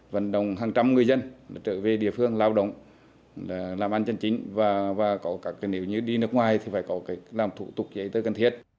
vận động hàng trăm người dân trở về địa phương lao động làm ăn chân chính và có nếu như đi nước ngoài thì phải có cách làm thủ tục giấy tờ cần thiết